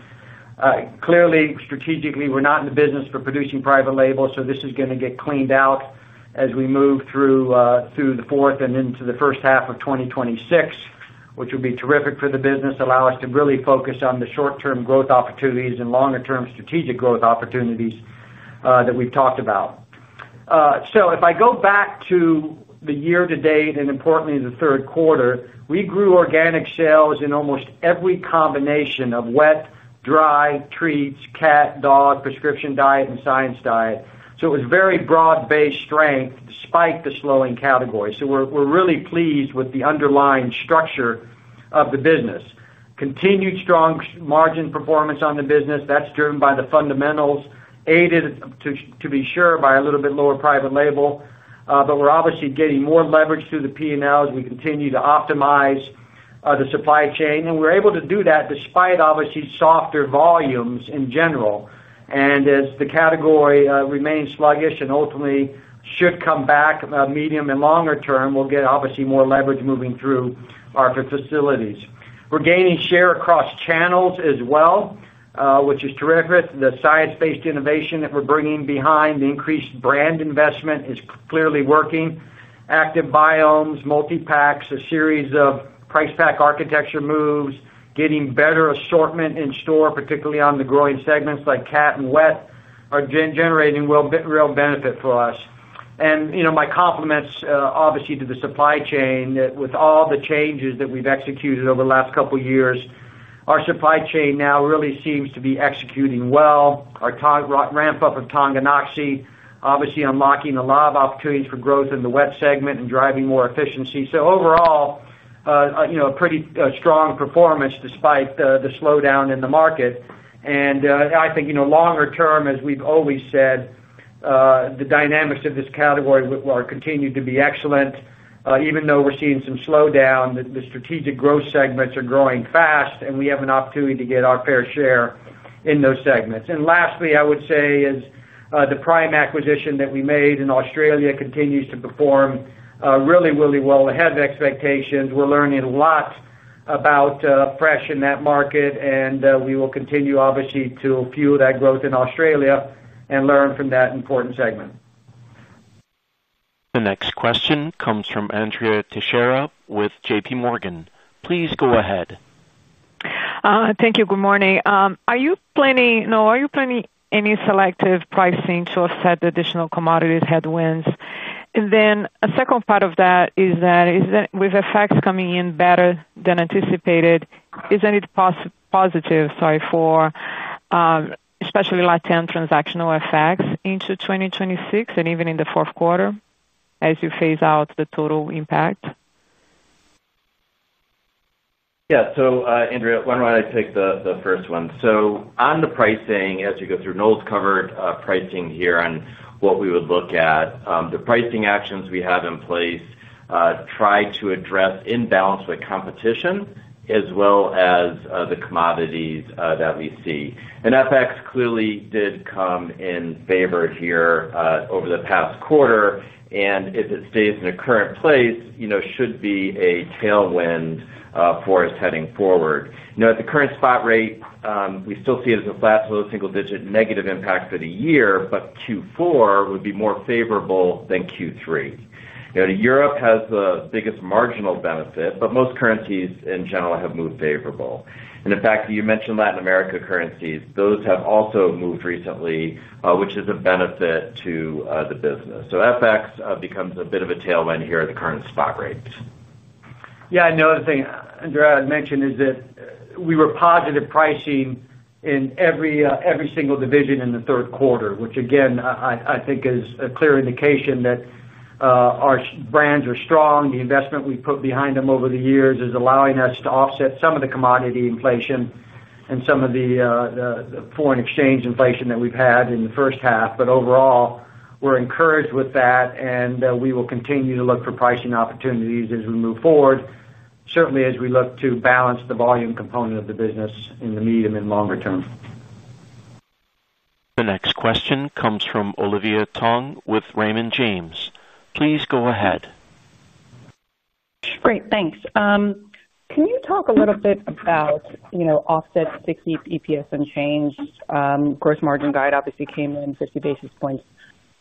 Clearly, strategically, we're not in the business of producing private label. This is going to get cleaned out as we move through the fourth and into the first half of 2026, which would be terrific for the business, allowing us to really focus on the short-term growth opportunities and longer-term strategic growth opportunities that we've talked about. If I go back to the year-to-date and importantly the third quarter, we grew organic sales in almost every combination of wet, dry, treats, cat, dog, prescription diet, and science diet. It was very broad-based strength despite the slowing category. We're really pleased with the underlying structure of the business. Continued strong margin performance on the business is driven by the fundamentals, aided to be sure by a little bit lower private label. We're obviously getting more leverage through the P&L as we continue to optimize the supply chain. We're able to do that despite obviously softer volumes in general. As the category remains sluggish and ultimately should come back medium and longer term, we'll get obviously more leverage moving through our facilities. We're gaining share across channels as well, which is terrific. The science-based innovation that we're bringing behind the increased brand investment is clearly working. Active biomes, multi-packs, a series of price pack architecture moves, getting better assortment in store, particularly on the growing segments like cat and wet, are generating real benefit for us. My compliments, obviously, to the supply chain with all the changes that we've executed over the last couple of years. Our supply chain now really seems to be executing well. Our ramp-up of Tonganoxy is obviously unlocking a lot of opportunities for growth in the wet segment and driving more efficiency. Overall, a pretty strong performance despite the slowdown in the market. I think longer term, as we've always said, the dynamics of this category will continue to be excellent. Even though we're seeing some slowdown, the strategic growth segments are growing fast, and we have an opportunity to get our fair share in those segments. Lastly, I would say the Prime acquisition that we made in Australia continues to perform really, really well ahead of expectations. We're learning a lot about fresh in that market, and we will continue, obviously, to fuel that growth in Australia and learn from that important segment. The next question comes from Andrea Teixeira with JPMorgan. Please go ahead. Thank you. Good morning. Are you planning any selective pricing to offset the additional commodities headwinds? A second part of that is that with FX coming in better than anticipated, isn't it positive for especially latent transactional FX into 2026 and even in the fourth quarter as you phase out the total impact? Yeah. Andrea, why don't I take the first one? On the pricing, as you go through, Noel's covered pricing here on what we would look at. The pricing actions we have in place try to address in balance with competition as well as the commodities that we see. FX clearly did come in favor here over the past quarter. If it stays in a current place, it should be a tailwind for us heading forward. At the current spot rate, we still see it as a flat single-digit negative impact for the year, but Q4 would be more favorable than Q3. Europe has the biggest marginal benefit, but most currencies in general have moved favorable. In fact, you mentioned Latin America currencies. Those have also moved recently, which is a benefit to the business. FX becomes a bit of a tailwind here at the current spot rate. Yeah. The other thing, Andrea, I'd mention is that we were positive pricing in every single division in the third quarter, which again, I think is a clear indication that our brands are strong. The investment we put behind them over the years is allowing us to offset some of the commodity inflation and some of the foreign exchange inflation that we've had in the first half. Overall, we're encouraged with that, and we will continue to look for pricing opportunities as we move forward, certainly as we look to balance the volume component of the business in the medium and longer term. The next question comes from Olivia Tong with Raymond James. Please go ahead. Great. Thanks. Can you talk a little bit about offsets to keep EPS unchanged? Gross margin guide obviously came in 50 basis points,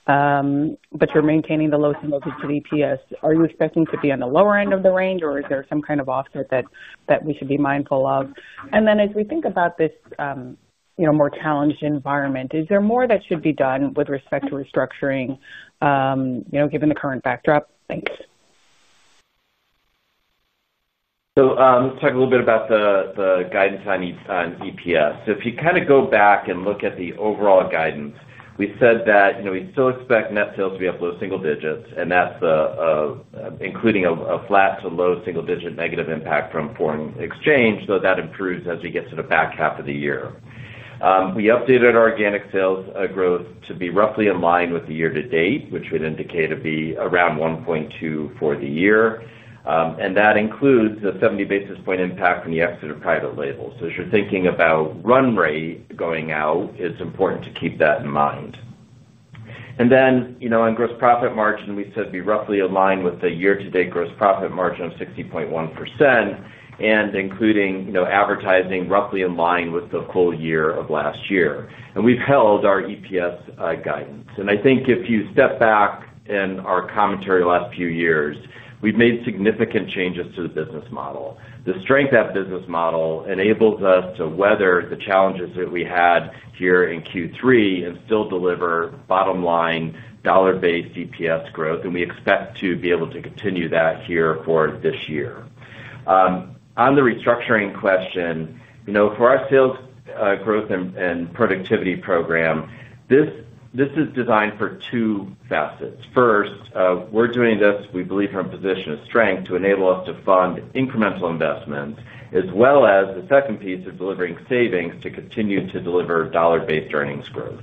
but you're maintaining the lowest and lowest EPS. Are you expecting to be on the lower end of the range, or is there some kind of offset that we should be mindful of? As we think about this more challenged environment, is there more that should be done with respect to restructuring, given the current backdrop? Thanks. Let's talk a little bit about the guidance on EPS. If you kind of go back and look at the overall guidance, we said that we still expect net sales to be up low single digits, and that's including a flat to low single-digit negative impact from foreign exchange, though that improves as we get to the back half of the year. We updated our organic sales growth to be roughly in line with the year-to-date, which would indicate it'd be around 1.2% for the year. That includes a 70 basis point impact from the exit of private label. As you're thinking about run rate going out, it's important to keep that in mind. On gross profit margin, we said we roughly align with the year-to-date gross profit margin of 60.1%, including advertising roughly in line with the full year of last year. We've held our EPS guidance. If you step back in our commentary the last few years, we've made significant changes to the business model. The strength of that business model enables us to weather the challenges that we had here in Q3 and still deliver bottom-line dollar-based EPS growth. We expect to be able to continue that here for this year. On the restructuring question, for our Sales Growth and Productivity Program, this is designed for two facets. First, we're doing this, we believe, from a position of strength to enable us to fund incremental investments, as well as the second piece of delivering savings to continue to deliver dollar-based earnings growth.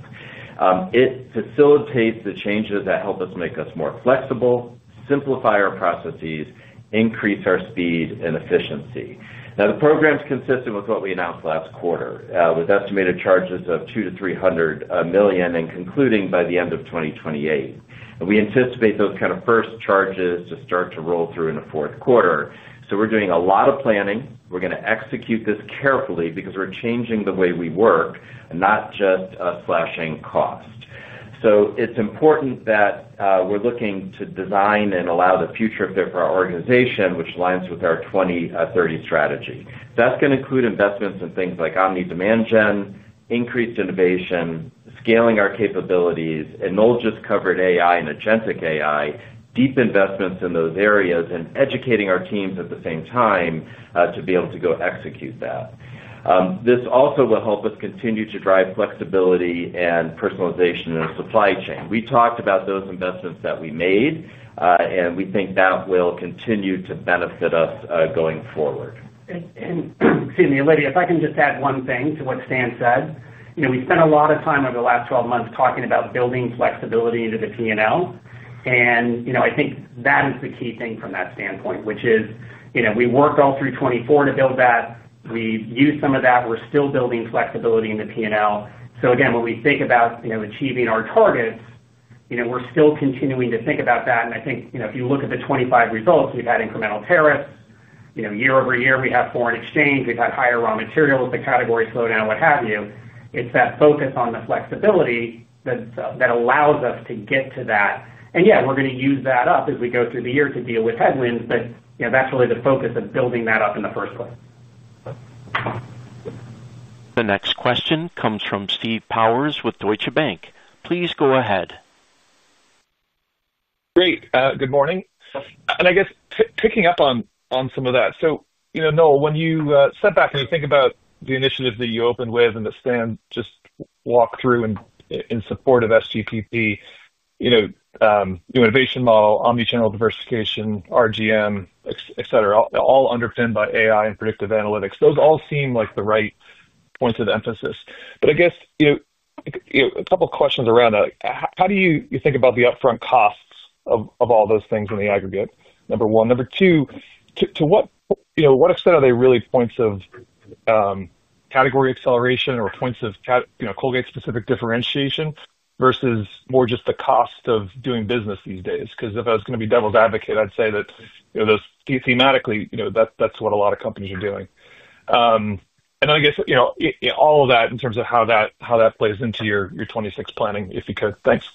It facilitates the changes that help us make us more flexible, simplify our processes, increase our speed and efficiency. The program's consistent with what we announced last quarter, with estimated charges of $200 million to $300 million and concluding by the end of 2028. We anticipate those kind of first charges to start to roll through in the fourth quarter. We're doing a lot of planning. We're going to execute this carefully because we're changing the way we work, not just slashing cost. It's important that we're looking to design and allow the future fit for our organization, which aligns with our 2030 strategy. That's going to include investments in things like omnichannel demand generation, increased innovation, scaling our capabilities. Noel just covered AI and agentic AI, deep investments in those areas, and educating our teams at the same time to be able to go execute that. This also will help us continue to drive flexibility and personalization in the supply chain. We talked about those investments that we made, and we think that will continue to benefit us going forward. Excuse me, Olivia, if I can just add one thing to what Stan said. We spent a lot of time over the last 12 months talking about building flexibility into the P&L. I think that is the key thing from that standpoint, which is we worked all through 2024 to build that. We used some of that. We're still building flexibility in the P&L. Again, when we think about achieving our targets, we're still continuing to think about that. I think if you look at the 2025 results, we've had incremental tariffs. Year over year, we have foreign exchange. We've had higher raw materials, the category slowdown, what have you. It's that focus on the flexibility that allows us to get to that. We're going to use that up as we go through the year to deal with headwinds, but that's really the focus of building that up in the first place. The next question comes from Steve Powers with Deutsche Bank. Please go ahead. Great. Good morning. I guess picking up on some of that. Noel, when you step back and you think about the initiatives that you opened with and that Stan just walked through in support of SGPP, your innovation model, omnichannel diversification, RGM, etc., all underpinned by AI and predictive analytics, those all seem like the right points of emphasis. I guess a couple of questions around that. How do you think about the upfront costs of all those things in the aggregate? Number one. Number two, to what extent are they really points of category acceleration or points of Colgate-specific differentiation versus more just the cost of doing business these days? If I was going to be devil's advocate, I'd say that those thematically, that's what a lot of companies are doing. I guess all of that in terms of how that plays into your 2026 planning, if you could. Thanks.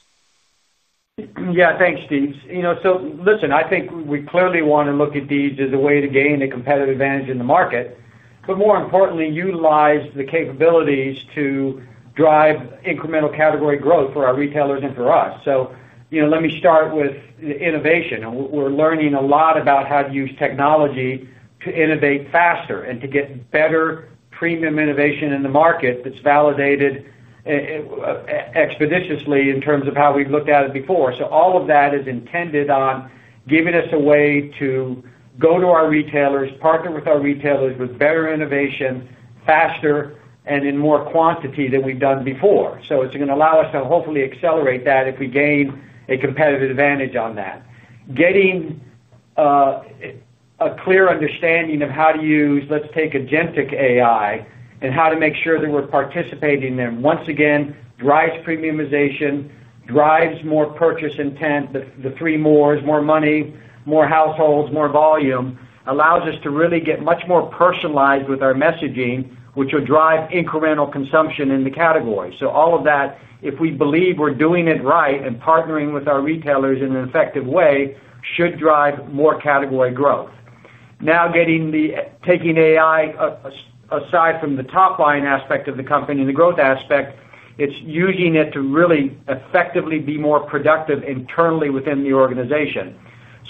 Yeah. Thanks, Steve. I think we clearly want to look at these as a way to gain a competitive advantage in the market, but more importantly, utilize the capabilities to drive incremental category growth for our retailers and for us. Let me start with innovation. We're learning a lot about how to use technology to innovate faster and to get better premium innovation in the market that's validated expeditiously in terms of how we've looked at it before. All of that is intended on giving us a way to go to our retailers, partner with our retailers with better innovation, faster, and in more quantity than we've done before. It's going to allow us to hopefully accelerate that if we gain a competitive advantage on that. Getting a clear understanding of how to use, let's take agentic AI and how to make sure that we're participating in them, once again, drives premiumization, drives more purchase intent. The three mores, more money, more households, more volume, allows us to really get much more personalized with our messaging, which will drive incremental consumption in the category. All of that, if we believe we're doing it right and partnering with our retailers in an effective way, should drive more category growth. Now, taking AI aside from the top-line aspect of the company and the growth aspect, it's using it to really effectively be more productive internally within the organization.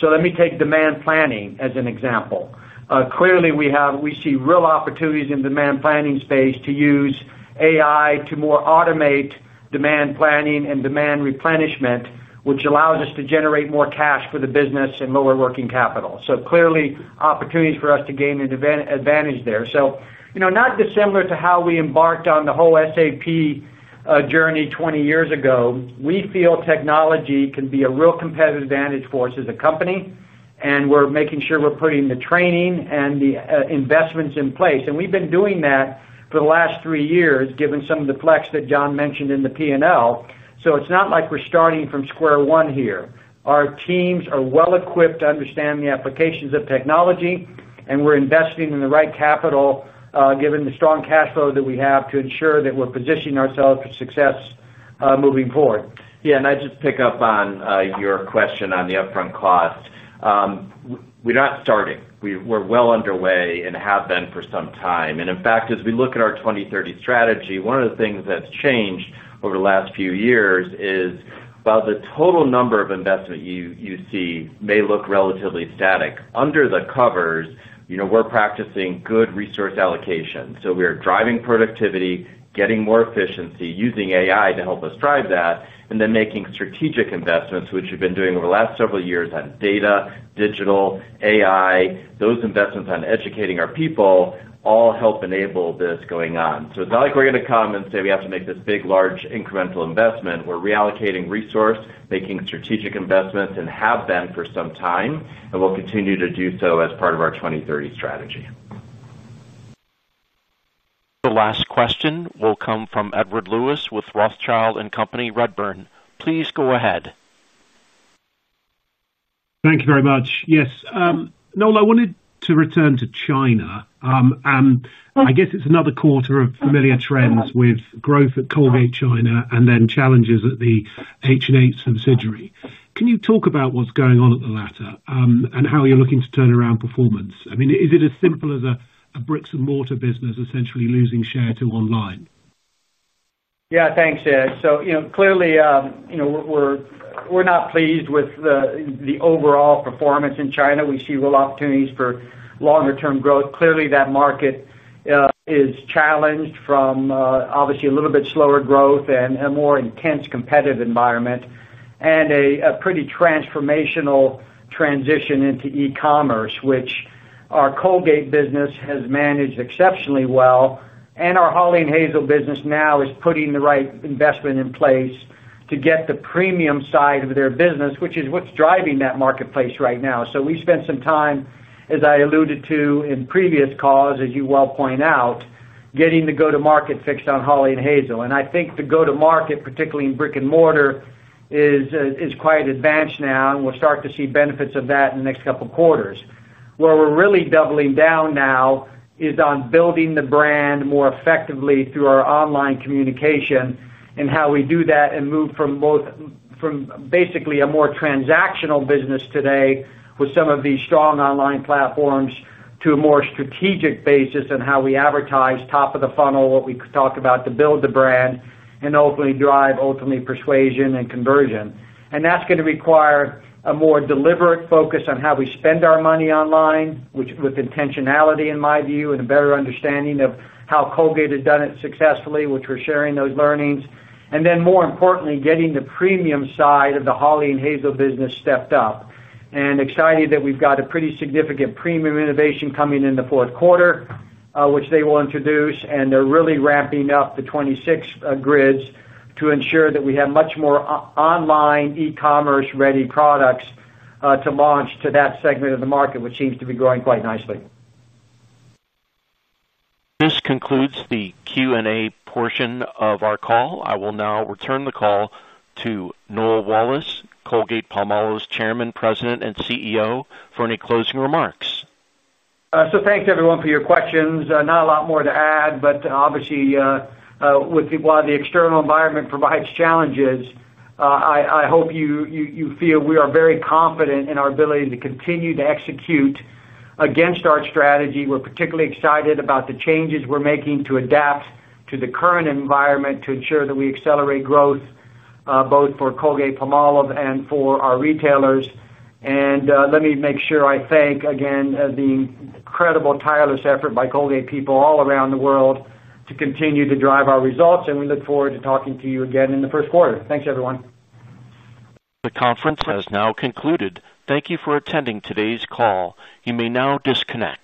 Let me take demand planning as an example. Clearly, we see real opportunities in the demand planning space to use AI to more automate demand planning and demand replenishment, which allows us to generate more cash for the business and lower working capital. Clearly, opportunities for us to gain an advantage there. Not dissimilar to how we embarked on the whole SAP journey 20 years ago, we feel technology can be a real competitive advantage for us as a company. We're making sure we're putting the training and the investments in place. We've been doing that for the last three years, given some of the flex that John mentioned in the P&L. It's not like we're starting from square one here. Our teams are well-equipped to understand the applications of technology, and we're investing in the right capital, given the strong cash flow that we have, to ensure that we're positioning ourselves for success moving forward. Yeah. I just pick up on your question on the upfront cost. We're not starting. We're well underway and have been for some time. In fact, as we look at our 2030 strategy, one of the things that's changed over the last few years is, while the total number of investment you see may look relatively static, under the covers, we're practicing good resource allocation. We are driving productivity, getting more efficiency, using AI to help us drive that, and then making strategic investments, which we've been doing over the last several years on data, digital, AI. Those investments on educating our people all help enable this going on. It's not like we're going to come and say we have to make this big, large incremental investment. We're reallocating resource, making strategic investments, and have been for some time, and we'll continue to do so as part of our 2030 strategy. The last question will come from Edward Lewis with Rothschild & Company Redburn. Please go ahead. Thank you very much. Yes. Noel, I wanted to return to China. I guess it's another quarter of familiar trends with growth at Colgate China and then challenges at the H&H subsidiary. Can you talk about what's going on at the latter and how you're looking to turn around performance? I mean, is it as simple as a bricks-and-mortar business essentially losing share to online? Yeah. Thanks, Ed. Clearly, we're not pleased with the overall performance in China. We see real opportunities for longer-term growth. Clearly, that market is challenged from obviously a little bit slower growth and a more intense competitive environment and a pretty transformational transition into e-commerce, which our Colgate business has managed exceptionally well. Our Hawley & Hazel business now is putting the right investment in place to get the premium side of their business, which is what's driving that marketplace right now. We spent some time, as I alluded to in previous calls, as you well point out, getting the go-to-market fix on Hawley & Hazel. I think the go-to-market, particularly in brick and mortar, is quite advanced now, and we'll start to see benefits of that in the next couple of quarters. Where we're really doubling down now is on building the brand more effectively through our online communication and how we do that and move from basically a more transactional business today with some of these strong online platforms to a more strategic basis on how we advertise, top of the funnel, what we could talk about to build the brand, and ultimately drive persuasion and conversion. That's going to require a more deliberate focus on how we spend our money online, with intentionality, in my view, and a better understanding of how Colgate has done it successfully, which we're sharing those learnings. More importantly, getting the premium side of the Hawley & Hazel business stepped up. Excited that we've got a pretty significant premium innovation coming in the fourth quarter, which they will introduce. They're really ramping up the 2026 grids to ensure that we have much more online e-commerce-ready products to launch to that segment of the market, which seems to be growing quite nicely. This concludes the Q&A portion of our call. I will now return the call to Noel Wallace, Colgate-Palmolive Company's Chairman, President, and CEO, for any closing remarks. Thank you, everyone, for your questions. Not a lot more to add, but obviously, while the external environment provides challenges, I hope you feel we are very confident in our ability to continue to execute against our strategy. We're particularly excited about the changes we're making to adapt to the current environment to ensure that we accelerate growth, both for Colgate-Palmolive and for our retailers. Let me make sure I thank again the incredible, tireless effort by Colgate people all around the world to continue to drive our results. We look forward to talking to you again in the first quarter. Thank you, everyone. The conference has now concluded. Thank you for attending today's call. You may now disconnect.